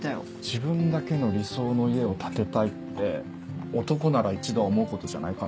自分だけの理想の家を建てたいって男なら一度は思うことじゃないかな？